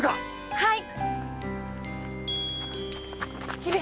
はい。